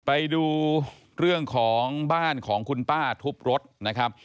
ไปดูเรื่องของบ้านของคุณป้าทุบรถนะครับ